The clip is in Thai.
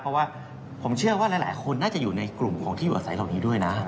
เพราะว่าผมเชื่อว่าหลายคนน่าจะอยู่ในกลุ่มของที่อยู่อาศัยเหล่านี้ด้วยนะ